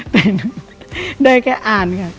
แต่ได้แค่อ่านค่ะ